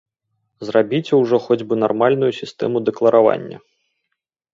Зрабіце ўжо хоць бы нармальную сістэму дэкларавання!